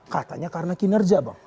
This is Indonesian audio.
katanya karena kinerja bang